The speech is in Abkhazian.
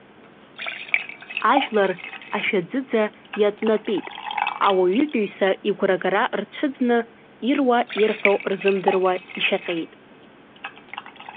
Ажәлар ашәаӡыӡа иатәнатәит, ауаҩытәыҩса игәрагара рцәыӡны, ируа-ирҳәо рзымдыруа ишәаҟьеит.